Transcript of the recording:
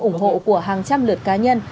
ủng hộ của hàng trăm lượt cá nhân